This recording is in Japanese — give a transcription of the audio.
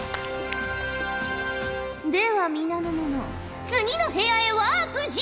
では皆の者次の部屋へワープじゃ！